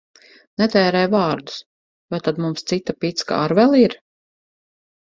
Netērē vārdus! Vai tad mums cita picka ar vēl ir?